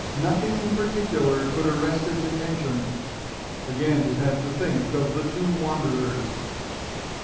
Nothing in particular could arrest its attention. Again it had to think of the two wanderers.